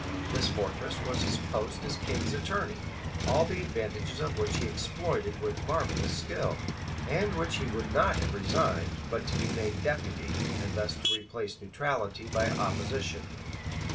This fortress was his post as king's attorney, all the advantages of which he exploited with marvellous skill, and which he would not have resigned but to be made deputy, and thus to replace neutrality by opposition.